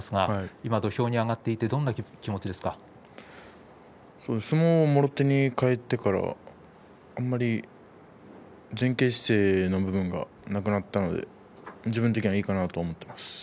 今、土俵に上がれて相撲をもろ手にかえてから前傾姿勢の部分がなくなったので自分としてはいいかなと思っています。